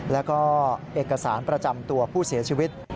แล้วก็เอกสารประจำตัวผู้เสียชีวิต